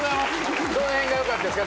どの辺がよかったですか？